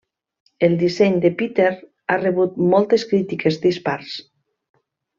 El disseny de Peter ha rebut moltes crítiques dispars.